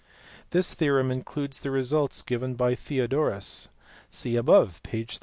This theorem includes the results given by Theodorus (see above, p. 31).